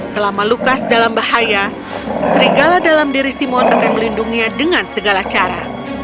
selama lukas dalam bahaya serigala dalam diri simon akan melindunginya dengan segala cara